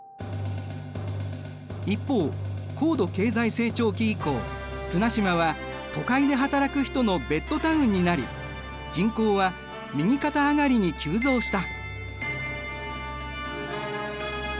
一方高度経済成長期以降綱島は都会で働く人のベッドタウンになり人口は右肩上がりに急増した。